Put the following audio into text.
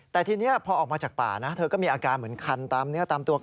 แต่ทีนี้พอออกมาจากป่านะเธอก็มีอาการเหมือนคันตามเนื้อตามตัว